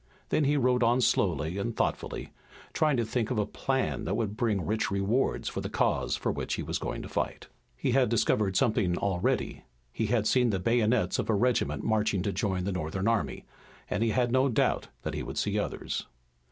Then he rode on slowly and thoughtfully, trying to think of a plan that would bring rich rewards for the cause for which he was going to fight. He had discovered something already. He had seen the bayonets of a regiment marching to join the Northern army, and he had no doubt that he would see others.